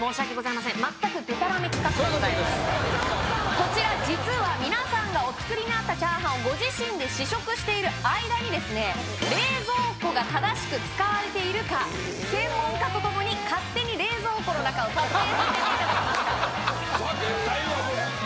こちら実は皆さんがお作りになったチャーハンをご自身で試食している間にですね冷蔵庫が正しく使われているか専門家とともに勝手に冷蔵庫の中を撮影させていただきましたふざけんなよ！